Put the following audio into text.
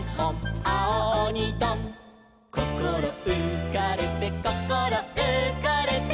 「こころうかれてこころうかれて」